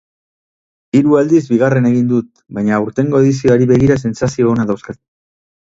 Hiru aldiz bigarren egin dut, baina aurtengo edizioari begira sentsazio onak dauzkat.